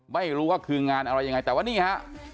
ไม่รู้ว่าคืองานอะไรอย่างไรแต่ว่านี่ครับ